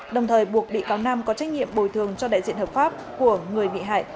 đồng thời buộc bị cáo nam có trách nhiệm bồi thường cho đại diện hợp pháp của người bị hại